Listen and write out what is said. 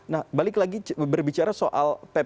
nah balik lagi berbicara soal pp